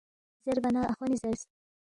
زیربا نہ اخونی زیرس